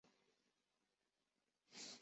思茅叉蕨为叉蕨科叉蕨属下的一个种。